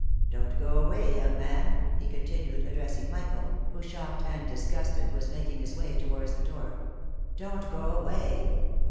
Don't go away, young man !" he continued, addressing Michael, who, shocked and disgusted, was making his way towards the door. " Don't go away.